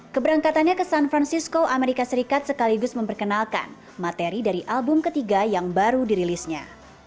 keberangkatannya ke san francisco amerika serikat sekaligus memperkenalkan materi dari album ketiga yang baru dirilisnya